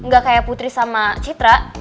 gak kayak putri sama citra